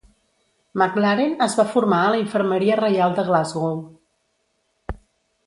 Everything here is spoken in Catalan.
McLaren es va formar a la Infermeria Reial de Glasgow.